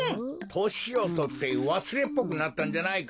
・としをとってわすれっぽくなったんじゃないか！？